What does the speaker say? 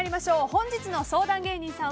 本日の相談芸人さん